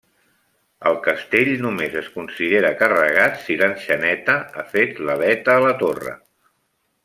El castell només es considera carregat si l'enxaneta a fet l'aleta a la torre.